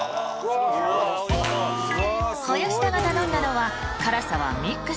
［林田が頼んだのは辛さはＭＩＸ］